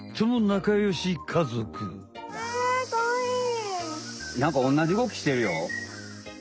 なんかおんなじうごきしてるよ。